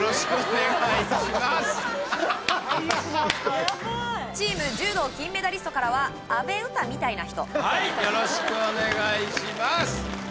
やばいチーム柔道金メダリストからは阿部詩みたいな人はいよろしくお願いします